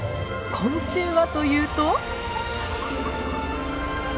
昆虫はというと？